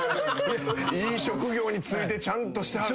いい職業に就いてちゃんとしてはる。